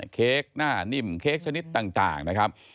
เค้กหน้านิ่มเค้กชนิดต่างนะครับ